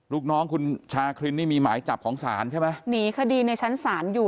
ลูกน้องคุณชาครินนี่มีหมายจับของศาลใช่ไหมหนีคดีในชั้นศาลอยู่